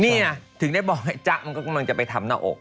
นี่ไงถึงได้บอกให้จ๊ะมันก็กำลังจะไปทำหน้าอก